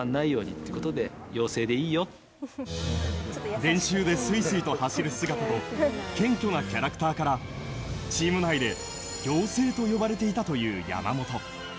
練習でスイスイと走る姿と謙虚なキャラクターからチーム内で妖精と呼ばれていたという山本。